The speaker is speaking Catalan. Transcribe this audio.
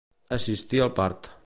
Assistir al part.